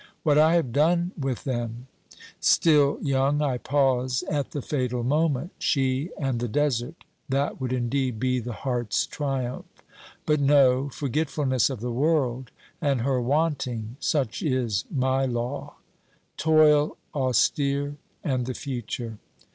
What I have done with them ! Still young, I pause at the fatal moment. She and the desert — that would indeed be the heart's triumph. But no — forgetfulness of the world, and her wanting — such is my law ! Toil austere and the future